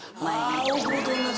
あぁ大久保と同じ。